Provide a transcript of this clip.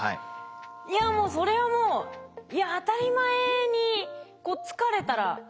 いやもうそれはもういや当たり前にこう疲れたら眠るって感じですよね。